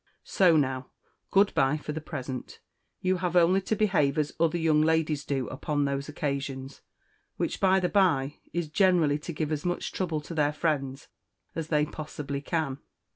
So now good bye for the present. You have only to behave as other young ladies do upon those occasions, which, by the bye, is generally to give as much trouble to their friends as they possibly can."